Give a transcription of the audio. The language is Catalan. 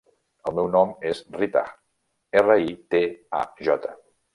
El meu nom és Ritaj: erra, i, te, a, jota.